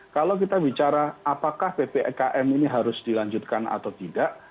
kalau kita bicara apakah ppkm ini harus dilanjutkan atau tidak